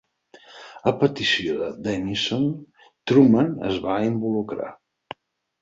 A petició de Dennison, Truman es va involucrar.